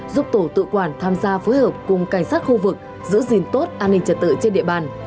giúp tổ tự quản tham gia phối hợp cùng cảnh sát khu vực giữ gìn tốt an ninh trật tự trên địa bàn